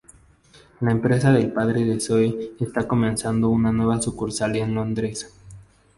La empresa del padre de Zoey está comenzando una nueva sucursal en Londres.